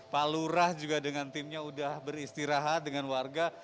pak lurah juga dengan timnya sudah beristirahat dengan warga